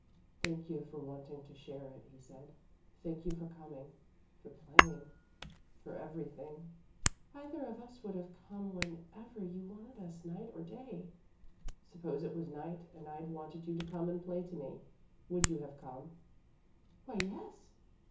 "Thank you for wanting to share it," he said. "Thank you for coming, for playing for everything." "Either of us would have come whenever you wanted us, night or day." "Suppose it was night, and I'd wanted you to come and play to me. Would you have come?" "Why, yes.